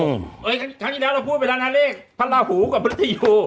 เฮ้ยครั้งนี้แล้วเราพูดไปแล้วนะเรียกพระราภูกว่าพระธิอยู่